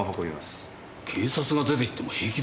警察が出て行っても平気ですか？